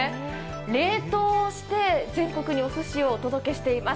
冷凍して全国におすしをお届けしています。